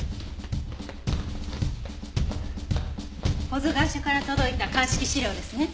保津川署から届いた鑑識資料ですね。